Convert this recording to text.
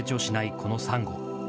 このサンゴ。